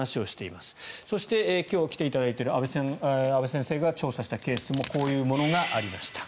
そして今日来ていただいている阿部先生が調査したケースもこういうものがありました。